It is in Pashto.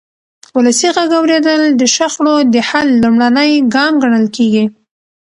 ولسي غږ اورېدل د شخړو د حل لومړنی ګام ګڼل کېږي